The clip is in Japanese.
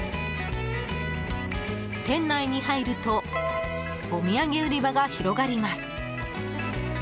店内に入るとお土産売り場が広がります。